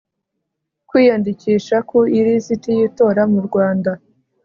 Kwiyandikisha ku ilisiti y itora mu Rwanda